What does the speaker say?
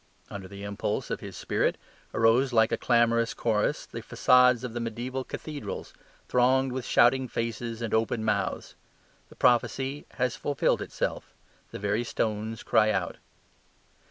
Under the impulse of His spirit arose like a clamorous chorus the facades of the mediaeval cathedrals, thronged with shouting faces and open mouths. The prophecy has fulfilled itself: the very stones cry out.